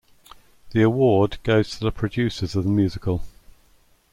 The award goes to the producers of the musical.